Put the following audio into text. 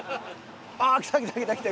ああ来た来た来た来た！